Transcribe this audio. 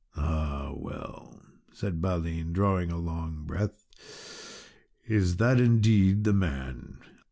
"Ah, well," said Balin, drawing a long breath, "is that indeed the man?